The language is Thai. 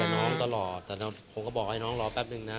น้องตลอดแต่ผมก็บอกให้น้องรอแป๊บนึงนะ